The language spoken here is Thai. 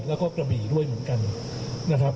แล้วก็กระบี่ด้วยเหมือนกันนะครับ